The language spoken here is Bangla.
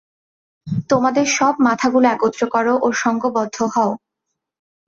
তোমাদের সব মাথাগুলো একত্র কর ও সঙ্ঘবদ্ধ হও।